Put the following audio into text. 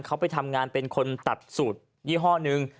เขาไปทำงานเป็นคนตัดสูตรยี่ห้อนึง